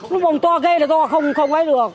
nó bùng to ghê là tôi không quay được